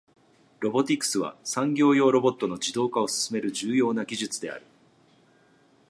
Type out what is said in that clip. ロボティクスは、産業用ロボットの自動化を進める重要な技術である。